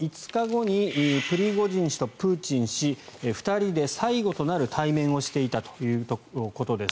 その５日後にプリゴジン氏とプーチン氏２人で最後となる対面をしていたということです。